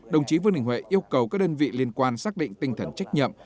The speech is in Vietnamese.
đồng chí vương đình huệ yêu cầu các đơn vị liên quan xác định tinh thần trách nhiệm